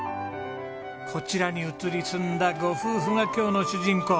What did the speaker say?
こちらに移り住んだご夫婦が今日の主人公。